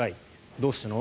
どうしたの？